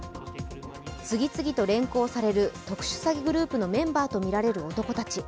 次々と連行される特殊詐偽グループのメンバーとみられる男たち。